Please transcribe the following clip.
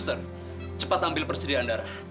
cepat ambil persediaan darah